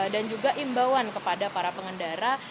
dan juga imbauan kepada para pengendara